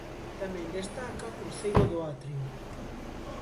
Tamén destaca o cruceiro do atrio.